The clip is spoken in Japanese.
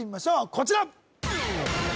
こちら